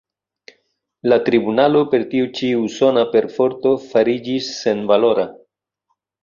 La tribunalo per tiu ĉi usona perforto fariĝis senvalora.